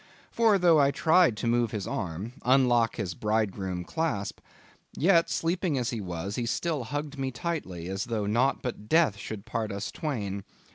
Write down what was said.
For though I tried to move his arm—unlock his bridegroom clasp—yet, sleeping as he was, he still hugged me tightly, as though naught but death should part us twain.